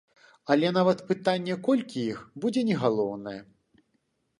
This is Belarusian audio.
Але нават пытанне, колькі іх, будзе не галоўнае.